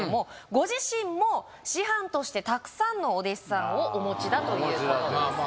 ご自身も師範としてたくさんのお弟子さんをお持ちだということです